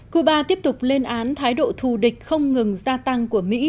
cuba tiếp tục lên án thái độ thù địch không ngừng gia tăng của mỹ